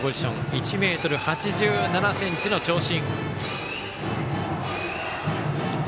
１ｍ８７ｃｍの長身。